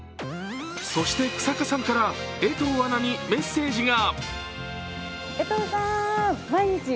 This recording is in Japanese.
そして日下さんから江藤アナにメッセージが。